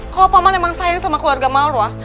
kalau paman emang sayang sama keluarga marwah